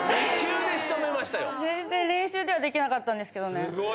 全然練習ではできなかったんすごい。